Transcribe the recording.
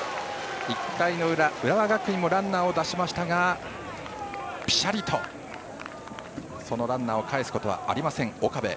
１回の裏、浦和学院もランナーを出しましたがぴしゃりと、そのランナーを返すことはありません岡部。